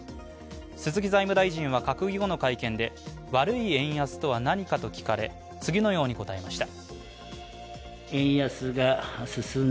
鈴木財務大臣は閣議後の会見で悪い円安とは何かと聞かれ次のように答えました。